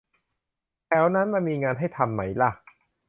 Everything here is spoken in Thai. แถวนั้นมันมีงานให้ทำไหมล่ะ